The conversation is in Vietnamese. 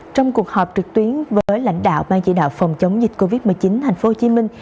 trong cuộc họp trực tuyến với lãnh đạo ban chỉ đạo phòng chống dịch covid một mươi chín thành phố hồ chí minh